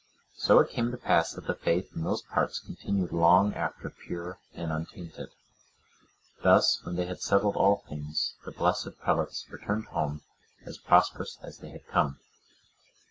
So it came to pass that the faith in those parts continued long after pure and untainted. Thus when they had settled all things, the blessed prelates returned home as prosperously as they had come.